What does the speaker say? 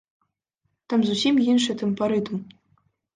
Там зусім іншы тэмпарытм.